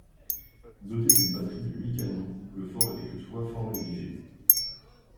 Doté d'une batterie de huit canons, le fort était toutefois fort négligé.